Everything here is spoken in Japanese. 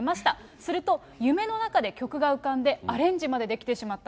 すると、夢の中で曲が浮かんでアレンジまでできてしまった。